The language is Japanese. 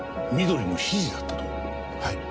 はい。